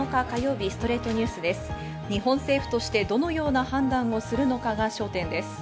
日本政府としてどのような判断をするのかが焦点です。